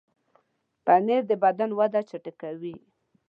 پنېر د بدن وده چټکوي.